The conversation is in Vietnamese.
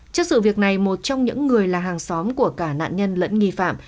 trước sự việc này một trong những người là hàng xóm của cả nạn nhân lẫn nghi phạm